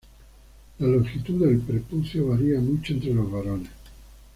La longitud del prepucio varía mucho entre los varones.